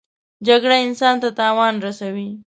جګړه انسان ته تاوان رسوي